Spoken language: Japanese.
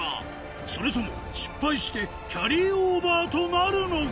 それとも失敗してキャリーオーバーとなるのか？